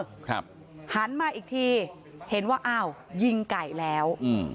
ครับหันมาอีกทีเห็นว่าอ้าวยิงไก่แล้วอืม